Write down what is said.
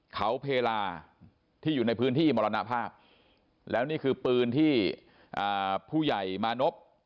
เขาเพลาที่อยู่ในพื้นที่มรณภาพแล้วนี่คือปืนที่ผู้ใหญ่มานพ